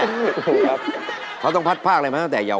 องต้องพัดภาคเลยมาตั้งแต่เยาวะ